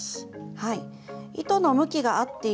はい。